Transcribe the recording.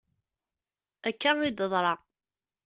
Akka i d-teḍra.